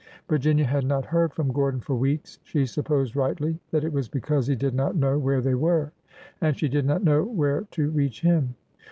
Virginia had not heard from Gordon for weeks. She supposed rightly that it was because he did not know where they were, and she did not know where to reach him.